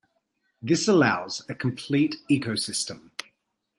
This allows a complete ecosystem.